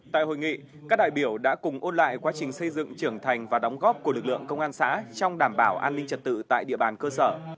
tại hội nghị các đại biểu đã cùng ôn lại quá trình xây dựng trưởng thành và đóng góp của lực lượng công an xã trong đảm bảo an ninh trật tự tại địa bàn cơ sở